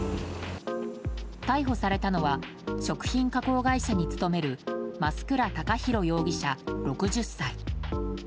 逮捕されたのは食品加工会社に勤める増倉孝弘容疑者、６０歳。